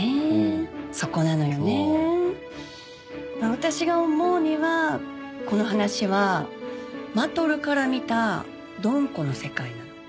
私が思うにはこの話はマトルから見たドン子の世界なの。